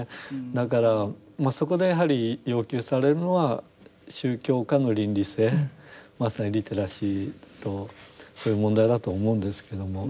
だからそこでやはり要求されるのは宗教家の倫理性まさにリテラシーとそういう問題だと思うんですけども。